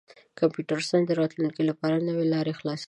کمپیوټر ساینس د راتلونکي لپاره نوې لارې خلاصوي.